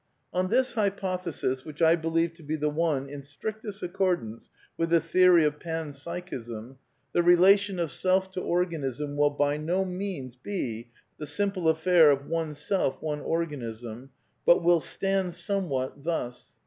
On this hypothesis, which I believe to be the one in strictest accordance with the theory of Pan Psychism, the relation of self to organism will be by no means the simple affair of one self, one organism, but will stand somewhat thus.